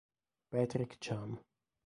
Patrick Cham